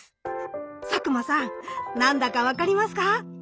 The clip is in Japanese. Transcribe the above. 佐久間さん何だか分かりますか？